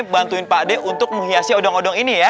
bantuin pak d untuk menghiasi odong odong ini ya